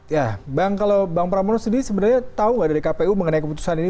ya bang kalau bang pramono sendiri sebenarnya tahu nggak dari kpu mengenai keputusan ini